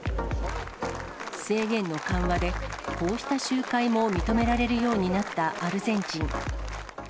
制限の緩和で、こうした集会も認められるようになったアルゼンチン。